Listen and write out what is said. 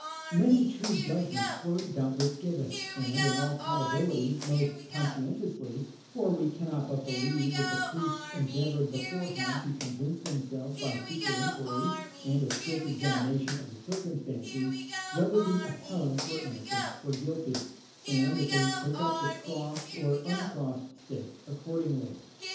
Many true judgments were doubtless given, and, in all probability, most conscientiously; for we cannot but believe that the priests endeavoured beforehand to convince themselves by secret inquiry and a strict examination of the circumstances, whether the appellant were innocent or guilty, and that they took up the crossed or uncrossed stick accordingly.